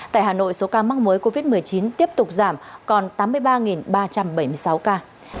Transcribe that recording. tại hà nội số ca mắc mới covid một mươi chín tiếp tục giảm còn tám mươi ba ba trăm bảy mươi sáu ca